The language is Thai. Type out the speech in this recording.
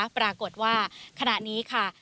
ปรากฏว่าขณะนี้ค่ะ